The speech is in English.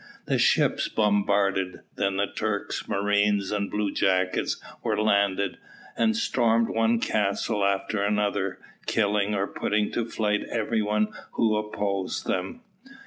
The ships bombarded, then the Turks, marines, and bluejackets were landed, and stormed one castle after another, killing or putting to flight every one who opposed them.